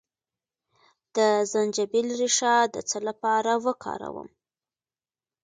د زنجبیل ریښه د څه لپاره وکاروم؟